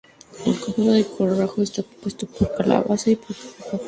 El conjunto del cerrojo está compuesto por su cabezal y el portacerrojo.